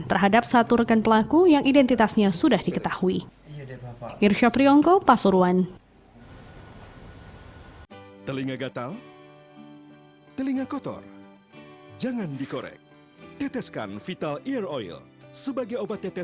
terhadap satu rekan pelaku yang identitasnya sudah diketahui